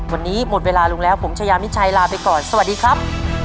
วันนี้หมดเวลาลงแล้วผมชายามิชัยลาไปก่อนสวัสดีครับ